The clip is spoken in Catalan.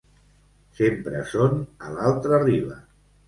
Sempre són a l'altra riba.